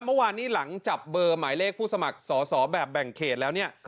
เมื่อวานนี้หลังจับเบอร์หมายเลขผู้สมัครสอสอแบบแบ่งเขตแล้วเนี่ย